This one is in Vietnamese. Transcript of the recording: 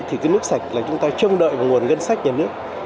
thì nước sạch là chúng ta trông đợi một nguồn gân sách nhà nước